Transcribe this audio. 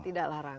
tidak larang ya